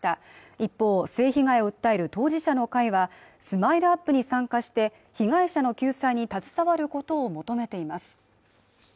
一方性被害を訴える当事者の会はＳＭＩＬＥ−ＵＰ．に参加して被害者の救済に携わることを求めています